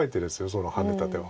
そのハネた手は。